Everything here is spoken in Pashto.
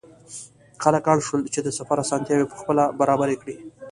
خلک اړ شول چې د سفر اسانتیاوې پخپله برابرې کړي.